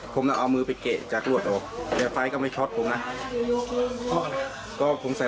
แล้วถ้าปกติบวกวายไปโดนรั้วนี้